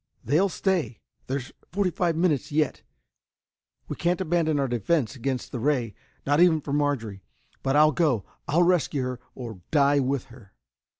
They'll stay. There's forty five minutes yet. We can't abandon our defense against the ray, not even for Marjorie. But I'll go, I'll rescue her or die with her!"